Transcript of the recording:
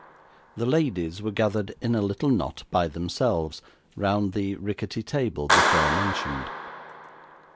The ladies were gathered in a little knot by themselves round the rickety table before mentioned.